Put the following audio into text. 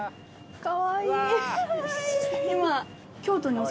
かわいい。